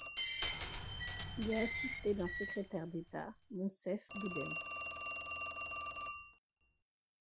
Il est assisté d’un secrétaire d’État, Moncef Bouden.